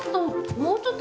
もうちょっと？